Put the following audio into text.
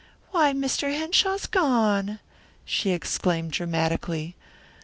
"Why, Mr. Henshaw's gone!" she exclaimed dramatically.